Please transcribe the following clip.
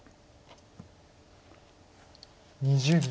２０秒。